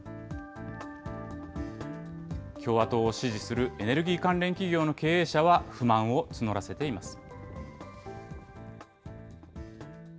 共和党を支持するエネルギー関連企業の経営者は、不満を募らせています。